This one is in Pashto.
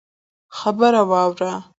خبره واوره!